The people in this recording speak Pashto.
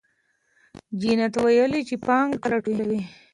جینت ویلي چې پانګه راټولوي.